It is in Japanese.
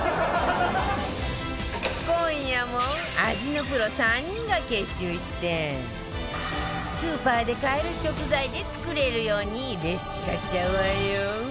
今夜も味のプロ３人が結集してスーパーで買える食材で作れるようにレシピ化しちゃうわよ